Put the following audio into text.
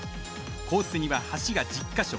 コースには橋が１０か所。